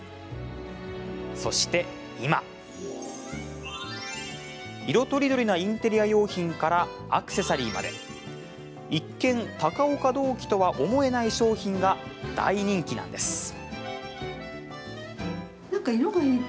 そして今色とりどりなインテリア用品からアクセサリーまで一見、高岡銅器とは思えない商品が大人気なんです。